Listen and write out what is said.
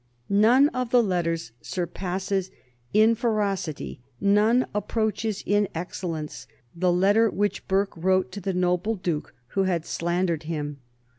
None of the letters surpasses in ferocity, none approaches in excellence the letter which Burke wrote to the noble Duke who had slandered him.